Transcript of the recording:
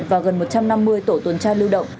và gần một trăm năm mươi tổ tuần tra lưu động